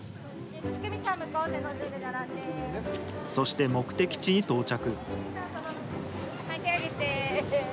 そして目的地に到着。